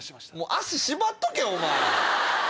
足縛っとけお前。